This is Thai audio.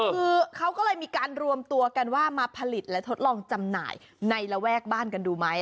คือเขาก็เลยมีการรวมตัวกันว่ามาผลิตและทดลองจำหน่ายในระแวกบ้านกันดูไหม